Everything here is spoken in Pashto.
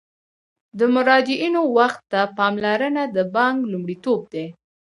د مراجعینو وخت ته پاملرنه د بانک لومړیتوب دی.